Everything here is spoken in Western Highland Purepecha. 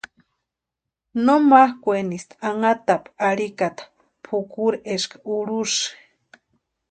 No makʼuniesti anhatapu arhikata pʼukuri eska urhusï.